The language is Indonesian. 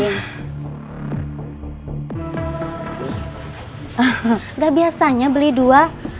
nggak biasanya beli dua